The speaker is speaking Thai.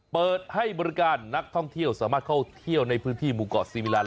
เปิดให้บริการนักท่องเที่ยวสามารถเข้าเที่ยวในพื้นที่หมู่เกาะซีมิลัน